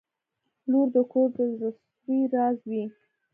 • لور د کور د زړسوي راز وي.